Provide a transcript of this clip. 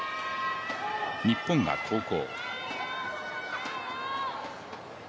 日本が後攻。